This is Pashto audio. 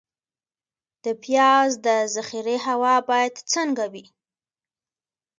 د پیاز د ذخیرې هوا باید څنګه وي؟